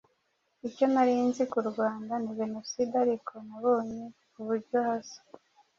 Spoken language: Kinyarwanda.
Icyo nari nzi ku Rwanda ni jenoside ariko nabonye uburyo hasa